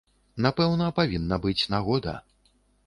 Напэўна, павінна быць нагода.